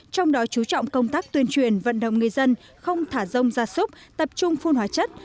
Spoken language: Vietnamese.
trong đó chú trọng công tác tuyên truyền vận động người dân không thả rông gia súc tập trung phun hóa chất